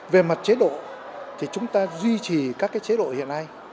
về mặt chế độ thì chúng ta duy trì các chế độ hiện nay